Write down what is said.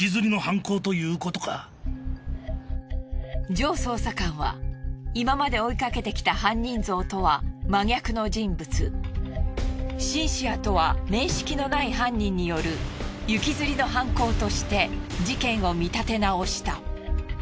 ジョー捜査官は今まで追いかけてきた犯人像とは真逆の人物シンシアとは面識のない犯人による行きずりの犯行として事件を見立てなおした。